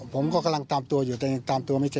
ผมก็กำลังตามตัวอยู่แต่ยังตามตัวไม่เจอ